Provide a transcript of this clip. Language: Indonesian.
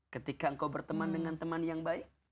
ketika engkau berteman dengan teman yang baik